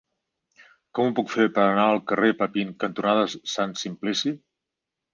Com ho puc fer per anar al carrer Papin cantonada Sant Simplici?